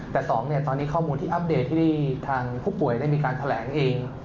แต่๒ตอนนี้ข้อมูลที่อัปเดตที่ทางผู้ป่วยได้มีการแถลงเอง